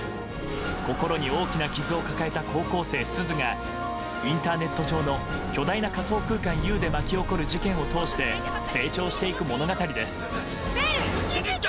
心に大きな傷を抱えた高校生すずがインターネット上の巨大な仮想空間Ｕで巻き起こる事件を通して成長していく物語です。